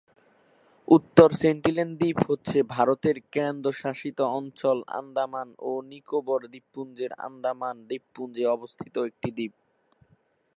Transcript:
উত্তর সেন্টিনেল দ্বীপ হচ্ছে ভারতের কেন্দ্রশাসিত অঞ্চল আন্দামান ও নিকোবর দ্বীপপুঞ্জের আন্দামান দ্বীপপুঞ্জে অবস্থিত একটি দ্বীপ।